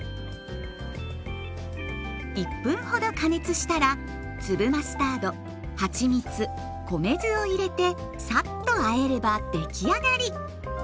１分ほど加熱したら粒マスタードはちみつ米酢を入れてさっとあえればできあがり。